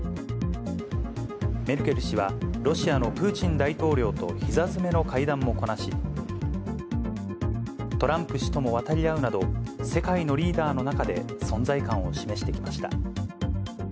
メルケル氏は、ロシアのプーチン大統領とひざ詰めの会談もこなし、トランプ氏とも渡り合うなど、世界のリーダーの中で存在感を示してきました。